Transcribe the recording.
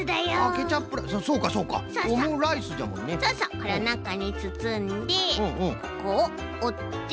これをなかにつつんでここをおって。